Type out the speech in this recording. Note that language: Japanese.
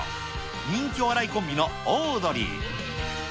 人気お笑いコンビのオードリー。